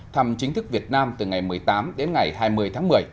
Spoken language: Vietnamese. thăm chính thức việt nam từ ngày một mươi tám đến ngày hai mươi tháng một mươi